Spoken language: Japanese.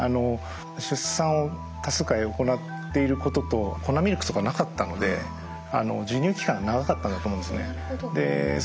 出産を多数回行っていることと粉ミルクとかなかったので授乳期間が長かったんだと思うんですね。